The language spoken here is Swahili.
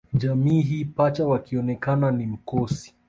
Jamii hii Pacha wakionekana ni mkosi